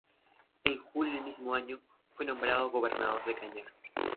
En julio del mismo año fue nombrado gobernador de Cañar.